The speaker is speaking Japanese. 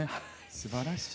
すばらしい。